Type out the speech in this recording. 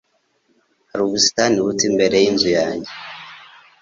Hari ubusitani buto imbere yinzu yanjye.